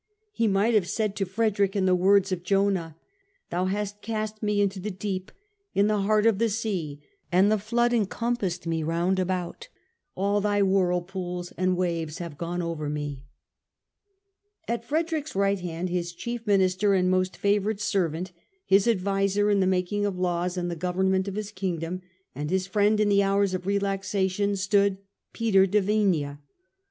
He might have said to Frederick in the words of Jonah :* Thou hast cast me into the deep, in the heart of the sea, and the flood encompassed me round about ; all thy whirlpools and waves have gone over me.' ' At Frederick's right hand, his chief minister and most favoured servant, his adviser in the making of laws and the government of his Kingdom and his friend in the hours of relaxation, stood Peter de Vinea.